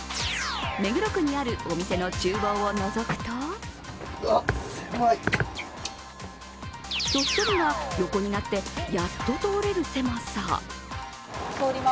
目黒区にあるお店のちゅう房をのぞくと人一人が横になってやっと通れる狭さ。